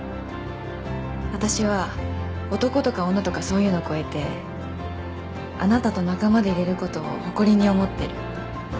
「私は男とか女とかそういうの超えてあなたと仲間でいれることを誇りに思ってる」